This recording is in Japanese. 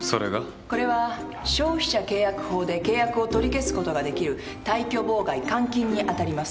これは消費者契約法で契約を取り消すことができる退去妨害監禁に当たります。